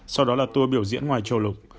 sau đó là tour biểu diễn ngoài châu lục